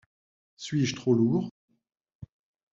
Suis-je trop lourd ?